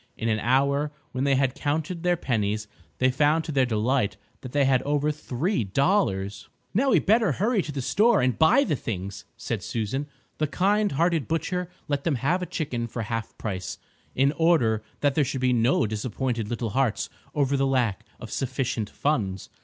In an hour, when they had counted their pennies, they found to their delight that they had over three dollars. "Now we had better hurry to the store and buy the things," said Susan. The kind hearted butcher let them have a chicken for half price, in order that there should be no disappointed little hearts over the lack of sufficient funds.